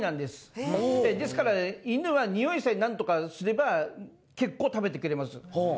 ですから犬は匂いさえなんとかすれば結構食べてくれます。